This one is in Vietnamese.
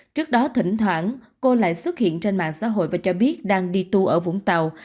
trước đó thỉnh thoảng cô lại xuất hiện trên mạng xã hội và cho biết đang đi tour ở vũng tàu